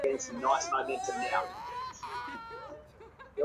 ছাদে আর কোনো শব্দ শোনা যাচ্ছে না।